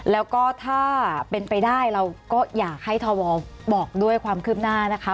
แล้วก็ถ้าเป็นไปได้เราก็อยากให้ทวบอกด้วยความคืบหน้านะคะ